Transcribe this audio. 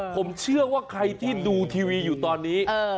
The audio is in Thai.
ผมเชื่อว่าใครที่ดูทีวีอยู่ตอนนี้